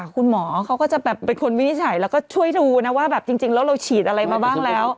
คุณหมอเขาก็จะแบบเป็นคนวินิจฉัยแล้วก็ช่วยดูนะว่าแบบจริงแล้วเราฉีดอะไรมาบ้างแล้ว